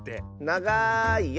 ながいよ。